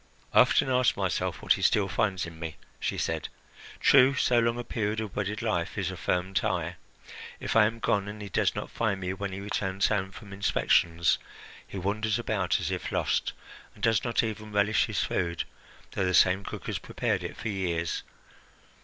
"I often ask myself what he still finds in me," she said. "True, so long a period of wedded life is a firm tie. If I am gone and he does not find me when he returns home from inspections, he wanders about as if lost, and does not even relish his food, though the same cook has prepared it for years.